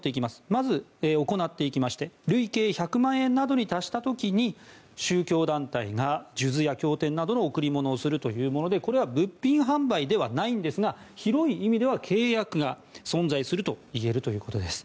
まず行っていきまして累計１００万円などに達した時に宗教団体が数珠や経典などの贈り物をするというものでこれは物品販売ではないんですが広い意味では契約が存在するといえるということです。